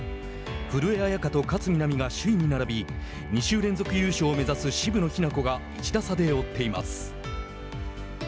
古江彩佳と勝みなみが首位に並び２週連続優勝を目指す渋野日向子が１打差で追っています。